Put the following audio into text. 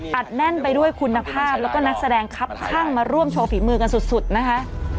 แน่นไปด้วยคุณภาพแล้วก็นักแสดงครับข้างมาร่วมโชว์ฝีมือกันสุดนะคะ